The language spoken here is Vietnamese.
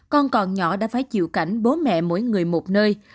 con còn nhỏ đã phải chịu cảnh bố mẹ mỗi người một nơi